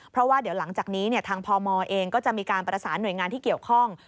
เพราะว่าเดี๋ยวหลังจากนี้ทางพมเองก็จะมีการประสานหน่วยงานที่เกี่ยวข้อง